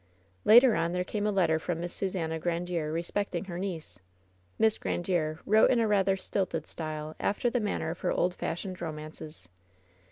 Later on there came a letter from Miss Susanna Graa diere respecting her niece. WHEN SHADOWS DIE 19 M«B Oirandiere wrote in rather a stilted style, after the maimer of her old fashioned romances.